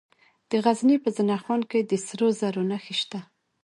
د غزني په زنه خان کې د سرو زرو نښې شته.